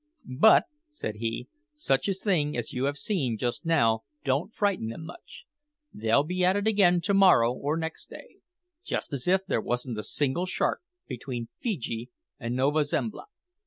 "But," said he, "such a thing as you have seen just now don't frighten them much. They'll be at it again to morrow or next day, just as if there wasn't a single shark between Feejee and Nova Zembla."